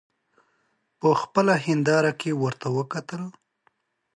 په خپله هینداره کې ورته وکتل.